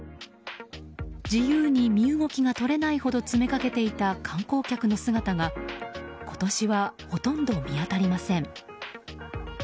自由に身動きが取れないほど詰めかけていた観光客の姿が今年はほとんど見当たりません。